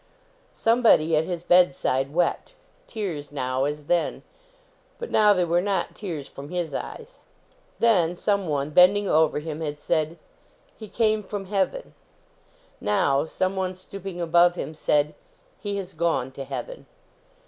Somebody at his bedside wept. Tears now, as then. But now they were not tears from his eyes. Then, someone, bending over him, had said, "He came from heaven." Now, someone, stooping above him, said, " He has gone to heaven."